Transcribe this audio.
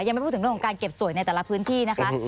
ยังไม่พูดถึงการเก็บสวยใต้แต่ละพื้นที่นะคะ